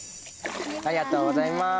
ありがとうございます。